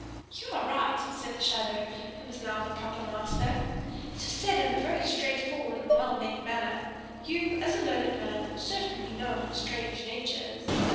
"You are right," said the shadow, who was now the proper master. "It is said in a very straight forward and well meant manner. You, as a learned man, certainly know how strange nature is.